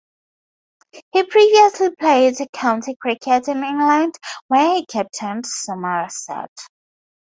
He previously played county cricket in England where he captained Somerset.